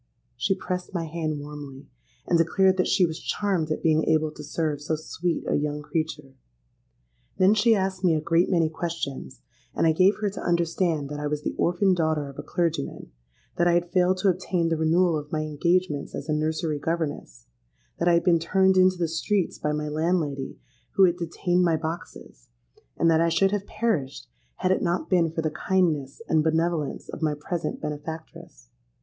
'—She pressed my hand warmly, and declared that she was charmed at being able to serve so sweet a young creature. Then she asked me a great many questions; and I gave her to understand that I was the orphan daughter of a clergyman; that I had failed to obtain the renewal of my engagements as a nursery governess: that I had been turned into the streets by my landlady, who had detained my boxes; and that I should have perished had it not been for the kindness and benevolence of my present benefactress.